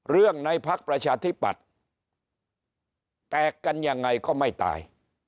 เรื่องในพรรคประชาธิบัติแตกกันยังไงก็ไม่ตาย